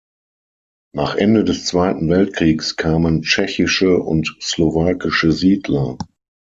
Nach Ende des Zweiten Weltkriegs kamen tschechische und slowakische Siedler.